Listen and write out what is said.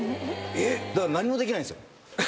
だから何もできないんすよ。